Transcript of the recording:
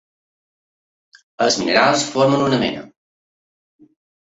Els minerals formen una mena.